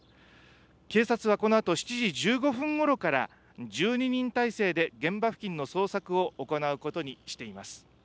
警察はこのあと７時１５分ごろから、１２人態勢で現場付近の捜索を行うことにしています。